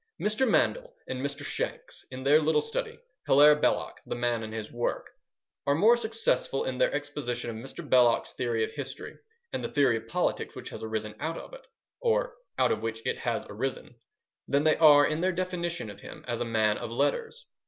Mr. Mandell and Mr. Shanks in their little study, Hilaire Belloc: the Man and his Work, are more successful in their exposition of Mr. Belloc's theory of history and the theory of politics which has risen out of it—or out of which it has risen—than they are in their definition of him as a man of letters.